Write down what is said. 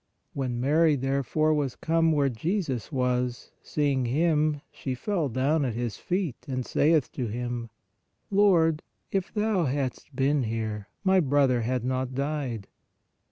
When Mary therefore was come where Jesus was, seeing Him, she fell down at His feet and saith to Him: Lord, if Thou hadst been here, my brother had not died.